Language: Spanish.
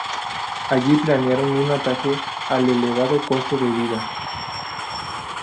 Allí planearon un ataque al "elevado costo de vida".